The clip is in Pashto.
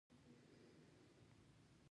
سړک د بار وړلو لپاره اسانه لاره ده.